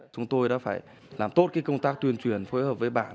chúng tôi đã phải làm tốt công tác tuyên truyền phối hợp với bản